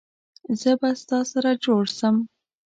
زه به ستا سره جوړ سم